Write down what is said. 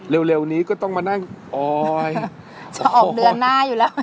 เร็วนี้ก็ต้องมานั่งออยจะออกเดือนหน้าอยู่แล้ว